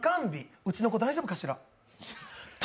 うちの子大丈夫かしら？と！